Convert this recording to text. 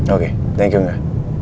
oke thank you enggak